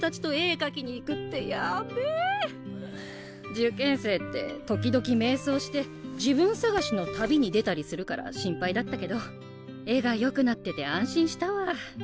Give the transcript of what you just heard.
受験生って時々迷走して自分探しの旅に出たりするから心配だったけど絵がよくなってて安心したわ。